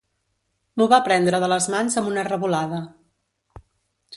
M'ho va prendre de les mans amb una revolada.